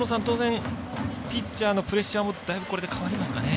ピッチャーのプレッシャーもだいぶ変わりますかね。